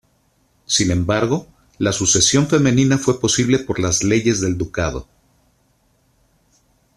Sin embargo, la sucesión femenina fue posible por las leyes del Ducado.